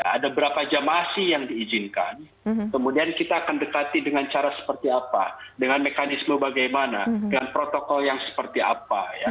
ada berapa jemaah sih yang diizinkan kemudian kita akan dekati dengan cara seperti apa dengan mekanisme bagaimana dengan protokol yang seperti apa